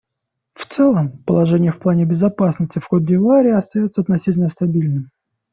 В целом, положение в плане безопасности в Кот-д'Ивуаре остается относительно стабильным.